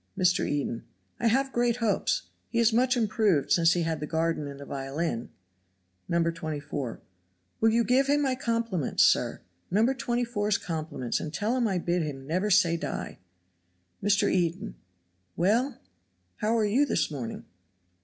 Mr. Eden. "I have great hopes; he is much improved since he had the garden and the violin." No. 24. "Will you give him my compliments, sir? No. 24's compliments and tell him I bid him 'never say die'?" Mr. Eden. "Well, , how are you this morning?"